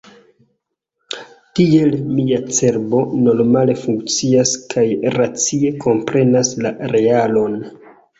Tiel, mia cerbo normale funkcias kaj racie komprenas la realon.